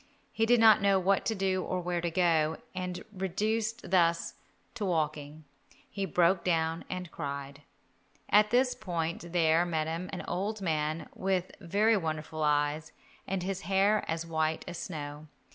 He did not know what to do or where to go, and reduced thus to walking, he broke down and cried. At this point there met him an old man with very wonderful eyes, and hair as white as snow.